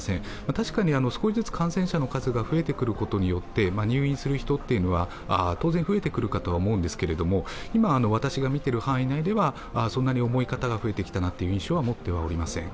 確かに少しずつ感染者の数が増えてくることによって入院する人は当然増えてくるかとは思うんですけれども、今私が見ている範囲内ではそんなに重い方が増えている印象はありません。